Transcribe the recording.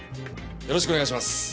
よろしくお願いします。